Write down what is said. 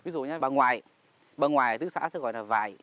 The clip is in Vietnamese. ví dụ như bà ngoài bà ngoài ở tứ xã sẽ gọi là vài